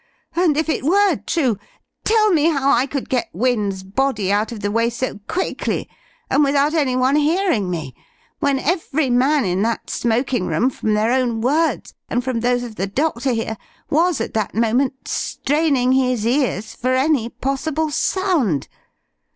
And if it were true, tell me how I could get Wynne's body out of the way so quickly, and without any one hearing me, when every man in that smoking room, from their own words, and from those of the doctor here, was at that moment straining his ears for any possible sound?